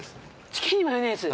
チキンにマヨネーズ？